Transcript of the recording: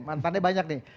mantannya banyak nih